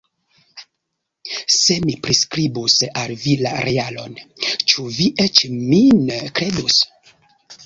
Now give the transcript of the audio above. Se mi priskribus al vi la realon, ĉu vi eĉ min kredus?